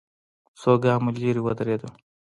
څو ګامه ليرې ودرېدل.